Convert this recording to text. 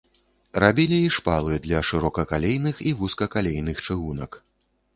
Рабілі і шпалы для шырокакалейных і вузкакалейных чыгунак.